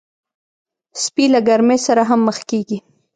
سپي له ګرمۍ سره هم مخ کېږي.